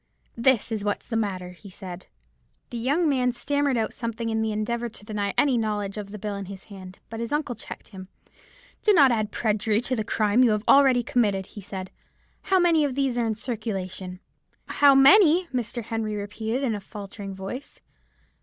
"'This is what's the matter,' he said. "The young man stammered out something in the endeavour to deny any knowledge of the bill in his hand; but his uncle checked him. 'Do not add perjury to the crime you have already committed,' he said. 'How many of these are in circulation?' "'How many!' Mr. Henry repeated, in a faltering voice.